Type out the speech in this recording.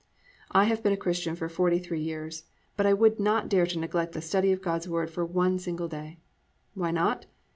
I have been a Christian for forty three years, but I would not dare to neglect the study of God's word for one single day. Why not?